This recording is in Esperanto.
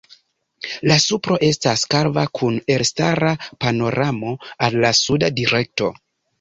La supro estas kalva kun elstara panoramo al la suda direkto.